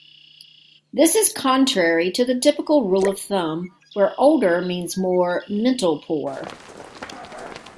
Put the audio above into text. This is contrary to the typical rule-of-thumb where older means more metal-poor.